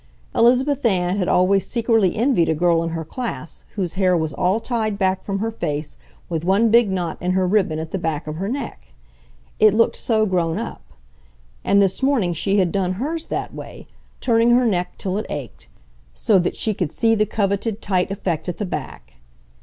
Elizabeth Ann had always secretly envied a girl in her class whose hair was all tied back from her face, with one big knot in her ribbon at the back of her neck. It looked so grown up. And this morning she had done hers that way, turning her neck till it ached, so that she could see the coveted tight effect at the back.